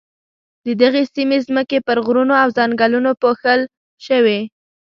د دغې سیمې ځمکې پر غرونو او ځنګلونو پوښل شوې.